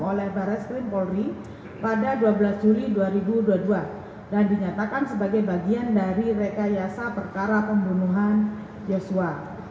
oleh barat skrim polri pada dua belas juli dua ribu dua puluh dua dan dinyatakan sebagai bagian dari rekayasa perkara pembunuhan yosua